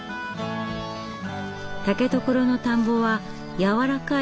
竹所の田んぼは軟らかい粘土質。